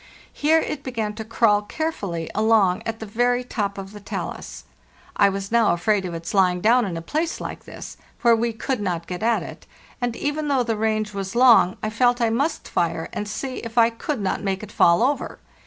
Here it began to crawl care fully along at the very top of the talus. I was now afraid of its lying down in a place like this, where we could not get at it, and even though the range was long I felt I must fire and see if I could not make it fall over.